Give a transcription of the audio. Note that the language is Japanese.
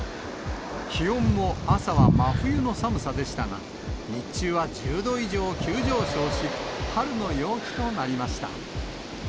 気温も朝は真冬の寒さでしたが、日中は１０度以上急上昇し、春の陽気となりました。